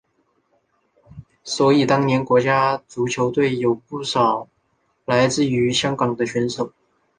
所以当年的国家足球队有不少来自香港的选手。